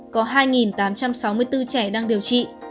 có hai tám trăm sáu mươi bốn trẻ đang điều trị